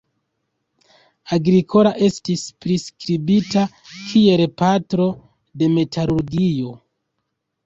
Agricola estis priskribita kiel "patro de metalurgio".